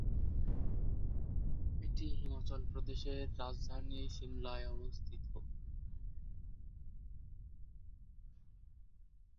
এটি হিমাচল প্রদেশের রাজধানী শিমলায় অবস্থিত।